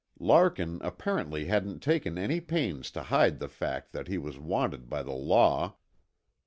Larkin apparently hadn't taken any pains to hide the fact that he was wanted by the law.